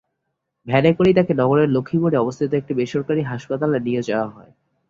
ভ্যানে করেই তাঁকে নগরের লক্ষ্মীপুরে অবস্থিত একটি বেসরকারি হাসপাতালে নিয়ে যাওয়া হয়।